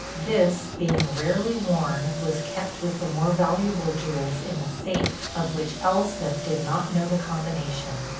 This, being rarely worn, was kept with the more valuable jewels in the safe of which Elspeth did not know the combination.